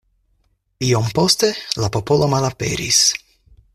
Iom poste la popolo malaperis.